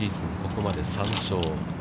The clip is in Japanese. ここまで３勝。